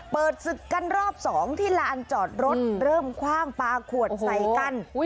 เปิดศึกกันรอบสองที่ลานจอดรถเริ่มคว่างปลาขวดใส่กัน